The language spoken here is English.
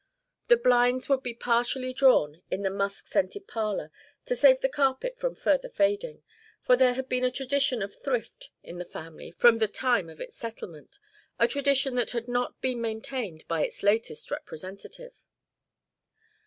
The blinds would be partially drawn in the musk scented parlor, to save the carpet from further fading, for there had been a tradition of thrift in the family from the time of its settlement, a tradition that had not been maintained by its latest representative.